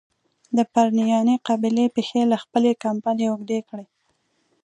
د پرنیاني قبیلې پښې له خپلي کمبلي اوږدې کړي.